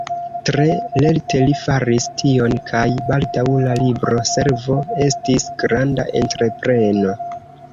Tre lerte li faris tion, kaj baldaŭ la libro-servo estis granda entrepreno.